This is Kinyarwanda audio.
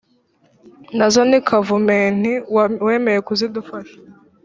Nazo ni Kavumenti wemeye kuzidufasha